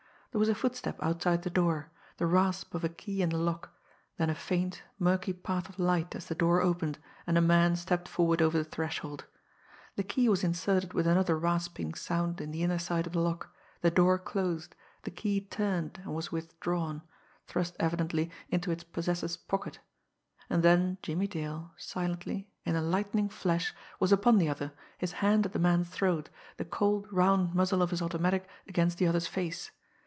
There was a footstep outside the door, the rasp of a key in the lock, then a faint, murky path of light as the door opened, and a man stepped forward over the threshold. The key was inserted with another rasping sound in the inner side of the lock, the door closed, the key turned and was withdrawn, thrust evidently into its possessor's pocket and then Jimmie Dale, silently, in a lightning flash, was upon the other, his hand at the man's throat, the cold, round muzzle of his automatic against the other's face.